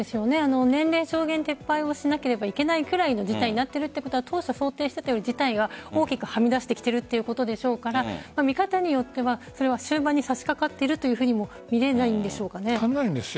年齢、上限撤廃をしなければいけないくらいの事態になっていることは当初、想定していたより事態が見え出してきているということでしょうから見方によっては終盤に差し掛かっているというふうにも見れるんじゃないしょうか。